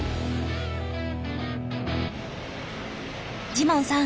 ジモンさん